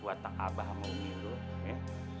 buat tak abah sama umi dulu